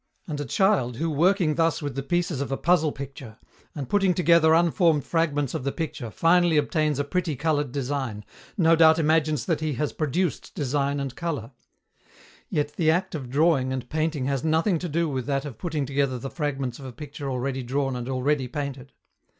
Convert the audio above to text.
And a child who working thus with the pieces of a puzzle picture, and putting together unformed fragments of the picture finally obtains a pretty colored design, no doubt imagines that he has produced design and color. Yet the act of drawing and painting has nothing to do with that of putting together the fragments of a picture already drawn and already painted.